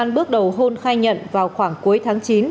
bước đầu hôn khai nhận vào khoảng cuối tháng chín